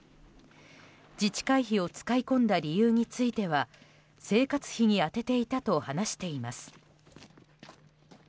自治会費を使い込んだ理由については生活費に充てていたと話しています。